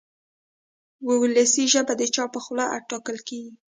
وولسي ژبه د چا په خوله ټاکل کېږي.